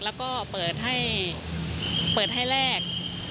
แล้วก็เปิดให้เปิดให้แรก